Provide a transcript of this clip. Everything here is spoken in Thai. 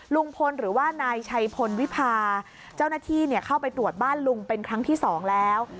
ลุงพลหรือว่านายชัยพลวิพาเจ้าหน้าที่เข้าไปตรวจบ้านลุงเป็นครั้งที่สองแล้ว